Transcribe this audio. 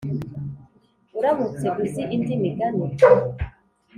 uramutse uzi indi migani